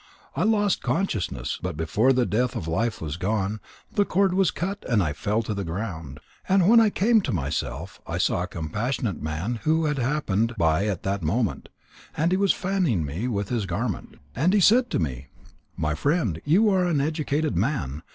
I lost consciousness, but before the breath of life was gone, the cord was cut and I fell to the ground. And when I came to myself, I saw a compassionate man who had happened by at that moment, and he was fanning me with his garment. And he said to me: My friend, you are an educated man.